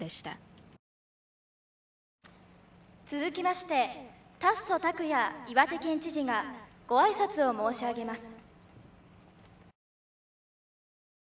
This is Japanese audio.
続きまして達増拓也岩手県知事がご挨拶を申し上げます。